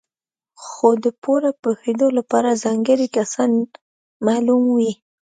خو د پوره پوهېدو لپاره ځانګړي کسان معلوم وي.